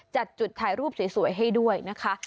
จัดจุดถ่ายรูปสวยให้ด้วยนะคะ